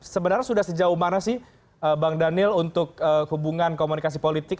sebenarnya sudah sejauh mana sih bang daniel untuk hubungan komunikasi politik